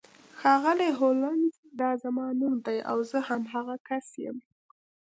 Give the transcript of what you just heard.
ښاغلی هولمز دا زما نوم دی او زه همغه کس یم